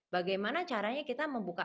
bagaimana caranya kita membuka